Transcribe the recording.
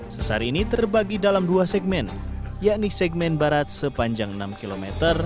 sesar ini terbagi dalam dua segmen yakni segmen barat sepanjang enam km